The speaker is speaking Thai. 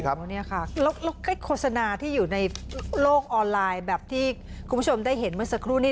แล้วใกล้โฆษณาที่อยู่ในโลกออนไลน์แบบที่คุณผู้ชมได้เห็นเมื่อสักครู่นี้